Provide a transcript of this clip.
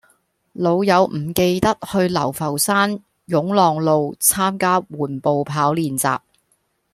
老友唔記得去流浮山湧浪路參加緩步跑練習